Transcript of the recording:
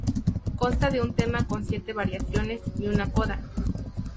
Consta de un tema con siete variaciones y una coda.